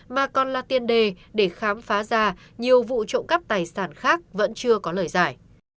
mà còn là tiền đề để khám phá ra nhiều vụ trộm cắp tài sản khác vẫn chưa có lời giải